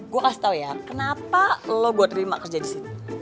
gue kasih tau ya kenapa lo gue terima kerja di sini